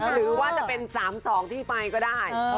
หรือว่าจะเป็น๓๒ที่ไปก็ได้